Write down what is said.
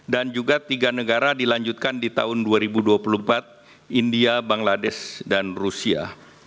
dan juga tiga negara dilanjutkan di tahun dua ribu dua puluh empat india bangladesh dan rusia